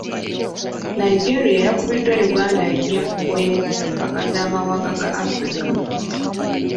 Nigeria yakubiddwa Uganda nnya ku emu mu mpaka z'amawanga ga Africa.